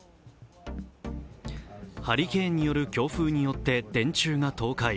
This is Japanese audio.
ハリケーンによる強風によって電柱が倒壊。